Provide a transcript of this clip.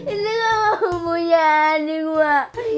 indri gak mau punya adik mbak